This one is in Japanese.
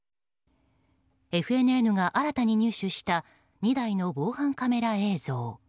ＦＮＮが新たに入手した２台の防犯カメラ映像。